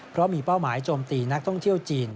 เพราะมีเป้าหมายโจมตีนักท่องเที่ยวจีน